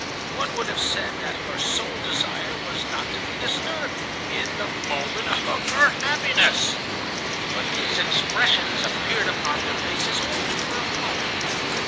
One would have said that her sole desire was not to be disturbed in the moment of her happiness. But these expressions appeared upon their faces only for a moment.